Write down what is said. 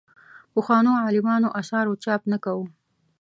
پخوانو عالمانو اثارو چاپ نه کوو.